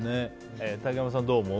竹山さん、どう思う？